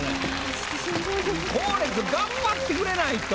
後列頑張ってくれないと。